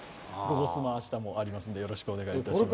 「ゴゴスマ」明日もありますのでよろしくお願いします。